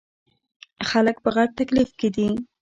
خلک په غټ تکليف کښې دے ـ